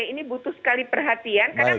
ini butuh sekali perhatian karena